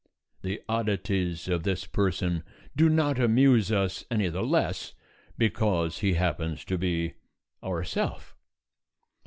The oddities of this person do not amuse us any the less because he happens to be ourself.